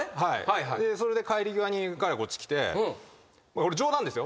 それで帰り際に彼がこっち来てこれ冗談ですよ。